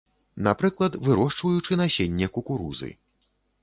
Напрыклад, вырошчваючы насенне кукурузы.